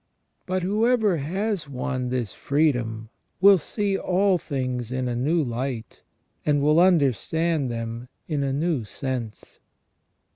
But whoever has won this freedom will see all things in a new light, and will understand them in a new sense.